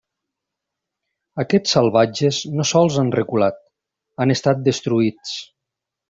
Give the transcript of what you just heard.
Aquests salvatges no sols han reculat, han estat destruïts.